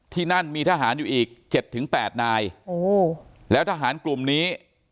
ที่นั่นมีทหารอยู่อีกเจ็ดถึงแปดนายโอ้แล้วทหารกลุ่มนี้